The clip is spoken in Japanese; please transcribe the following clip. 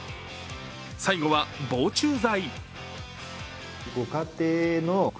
最後は防虫剤。